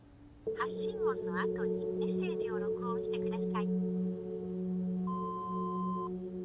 発信音の後にメッセージを録音してください。